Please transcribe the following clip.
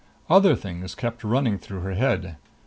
Other things kept running through her head.